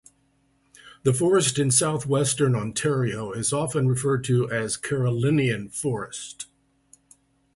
The forest in southwestern Ontario is often referred to as Carolinian forest.